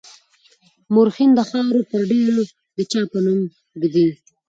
مورخين د خاورو پر ډېري د چا نوم ږدي.